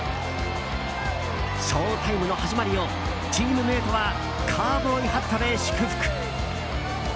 ショウタイムの始まりをチームメートはカウボーイハットで祝福。